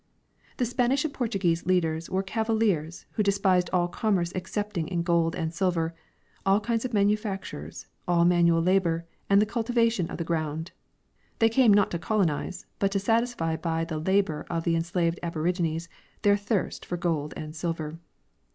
The Spanish and Portuguese leaders were cavaliers who de spised all commerce excepting in gold and silver, all kinds of manufactures, all manual labor, and the cultivation of the ground ; they came not to colonize, but to satisfy by the labor of the enslaved aborigines their thirst for gold and silver.